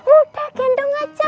udah gendong aja